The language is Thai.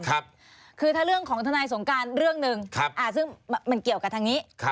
คือถ้าเรื่องของทนายสงการเรื่องหนึ่งซึ่งมันเกี่ยวกับทางนี้